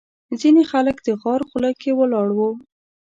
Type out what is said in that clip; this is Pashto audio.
ځینې خلک د غار خوله کې ولاړ وو.